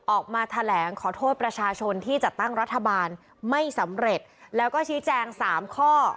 ออกมาแถลงขอโทษประชาชนที่จัดตั้งรัฐบาลไม่สำเร็จแล้วก็ชี้แจงสามข้อ